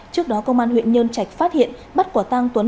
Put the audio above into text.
trước đó công an huyện nhơn trạch phát hiện bắt quả tăng tuấn